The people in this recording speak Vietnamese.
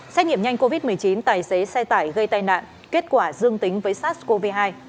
xét nghiệm nhanh covid một mươi chín tài xế xe tải gây tai nạn kết quả dương tính với sars cov hai